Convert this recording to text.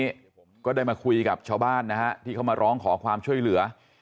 วันนี้ก็ได้มาคุยกับชาวบ้านนะฮะที่เขามาร้องขอความช่วยเหลือ